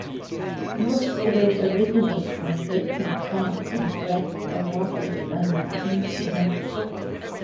Most rivers originate from lakes and swamps and collect their waters from melting snow.